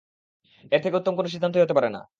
এর থেকে উত্তম কোন সিদ্ধান্তই হতে পারে না।